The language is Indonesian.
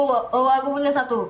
eee oh aku punya satu